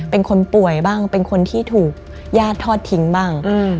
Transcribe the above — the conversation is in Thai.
เป็นคนป่วยบ้างเป็นคนที่ถูกญาติทอดทิ้งบ้าง